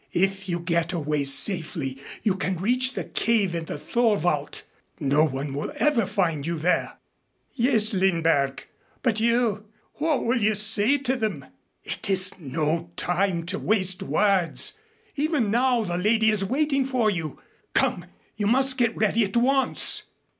If you get away safely you can reach the cave in the Thorwald. No one will ever find you there " "Yes, Lindberg but you what will you say to them?" "It is no time to waste words. Even now the lady is waiting for you. Come, you must get ready at once."